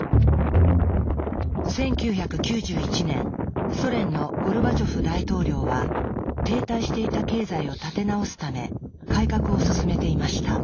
１９９１年ソ連のゴルバチョフ大統領は停滞していた経済を立て直すため改革を進めていました。